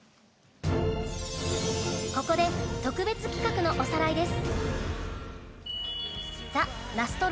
ここで特別企画のおさらいです。